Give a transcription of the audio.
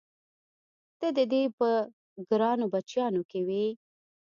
ته د دې په ګرانو بچیانو کې وې؟